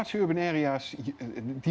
di area urban besar ini